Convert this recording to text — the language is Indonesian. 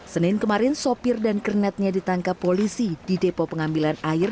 senin kemarin sopir dan kernetnya ditangkap polisi di depo pengambilan air